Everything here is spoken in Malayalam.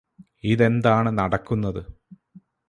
ഇതെന്താണ് നടക്കുന്നത്